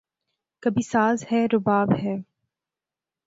کبھی ساز ہے، رباب ہے